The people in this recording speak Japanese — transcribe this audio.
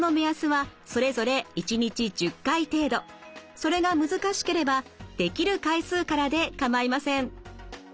それが難しければできる回数からで構いません。